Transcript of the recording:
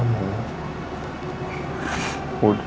mari kita berdua